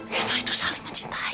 kita itu saling mencintai